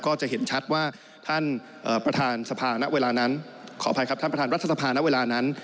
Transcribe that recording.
ก็จะเห็นชัดว่าท่านประธานสภาณเวลานั้นขออภัยครับท่านประธานรัฐสภาณเวลานั้น